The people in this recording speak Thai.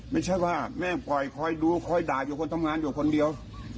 ไม่ใช่ว่าแม่ปล่อยคอยดูคอยด่าอยู่คนทำงานอยู่คนเดียว